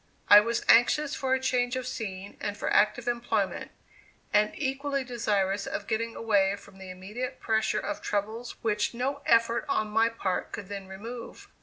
I was anxious for a change of scene and for active employment, and equally desirous of getting away from the immediate pressure of troubles which no effort on my part could then remove.